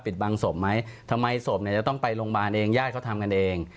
บังศพไหมทำไมศพเนี่ยจะต้องไปโรงพยาบาลเองญาติเขาทำกันเอง